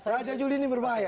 raja juli ini berbahaya